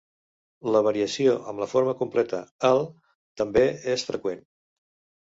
La variació amb la forma completa "el" també és freqüent.